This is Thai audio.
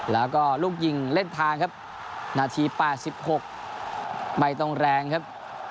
แล้วก็ลูกยิงเล่นทางครับนาที๘๖ไม่ต้องแรงครับ